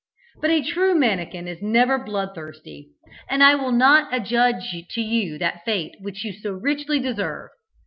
But a true mannikin is never bloodthirsty, and I will not adjudge to you that fate which you so richly deserve.